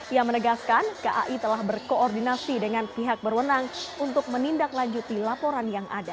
ia menegaskan kai telah berkoordinasi dengan pihak berwenang untuk menindaklanjuti laporan yang ada